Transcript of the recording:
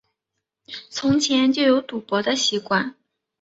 从前就有赌博的习惯